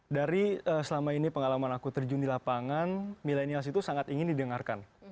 dari selama ini pengalaman aku terjun di lapangan milenials itu sangat ingin didengarkan